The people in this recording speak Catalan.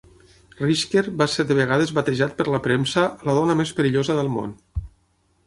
Rijker va ser de vegades batejat per la premsa "La dona més perillosa del món".